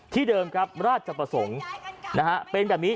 ที่เดิมครับราชประสงค์เป็นแบบนี้